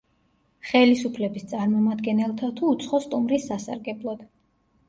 ხელისუფლების წარმომადგენელთა თუ „უცხო სტუმრის“ სასარგებლოდ.